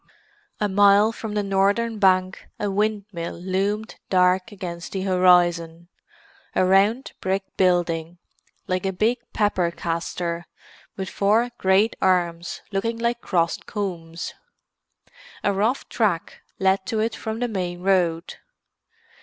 A mile from the northern bank a windmill loomed dark against the horizon; a round brick building, like a big pepper castor, with four great arms looking like crossed combs. A rough track led to it from the main road.